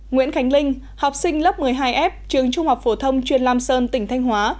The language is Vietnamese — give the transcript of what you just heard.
nguyễn khánh linh học sinh lớp một mươi hai f trường trung học phổ thông chuyên lam sơn tỉnh thanh hóa